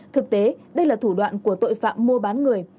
thực tế đây là thủ đoạn của tội phạm mua bán người